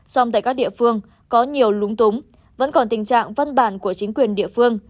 song tại các địa phương có nhiều lúng túng vẫn còn tình trạng văn bản của chính quyền địa phương